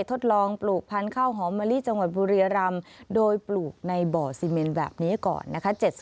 ทดลองปลูกพันธุ์ข้าวหอมมะลิจังหวัดบุรียรำโดยปลูกในบ่อซีเมนแบบนี้ก่อนนะคะ